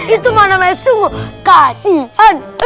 itu mah namanya sungguh kasihan